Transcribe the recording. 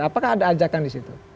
apakah ada ajakan di situ